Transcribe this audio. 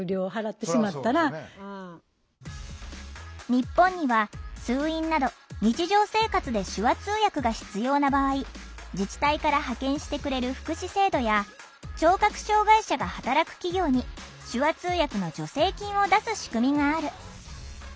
日本には通院など日常生活で手話通訳が必要な場合自治体から派遣してくれる福祉制度や聴覚障害者が働く企業に手話通訳の助成金を出す仕組みがある。